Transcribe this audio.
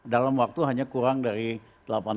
dalam waktu hanya kurang dari delapan jam